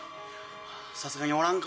さすがにおらんか。